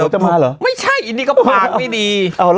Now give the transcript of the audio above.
กลัวพี่จะบ้าเหรอ